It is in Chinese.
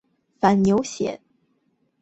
反扭藓为丛藓科反扭藓属下的一个种。